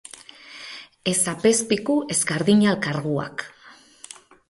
Ez apezpiku, ez kardinal karguak.